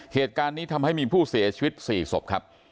เหตุการณ์นี้ทำให้มีผู้เสียชีวิต๔ศพครับ